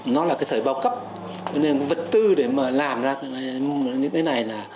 nó là cái thời bao cấp cho nên vật tư để mà làm ra những cái này là